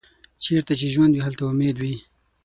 چیرته چې ژوند وي، هلته امید وي.